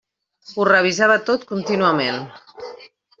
Ho revisava tot contínuament.